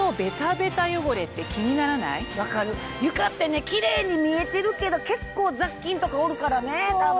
分かる床ってねキレイに見えてるけど結構雑菌とかおるからね多分。